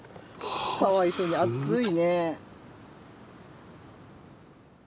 かわいそうに暑いね。